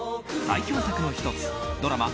代表作の１つドラマ